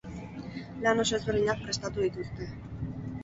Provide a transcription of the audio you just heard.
Lan oso ezberdinak prestatu dituzte.